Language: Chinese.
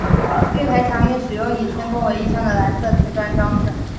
月台墙面使用以天空为意象的蓝色磁砖装饰。